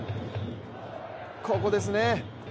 ここですね。